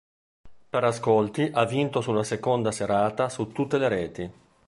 Per ascolti ha vinto sulla seconda serata su tutte le reti.